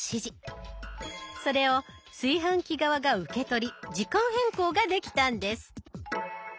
それを炊飯器側が受け取り時間変更ができたんです。